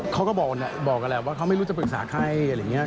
เขาก็บอกกันแหละว่าเขาไม่รู้จะปรึกษาใครอะไรอย่างนี้